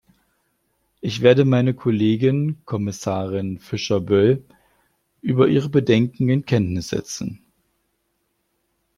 Ich werde meine Kollegin, Kommissarin Fischer Boel, über Ihre Bedenken in Kenntnis setzen.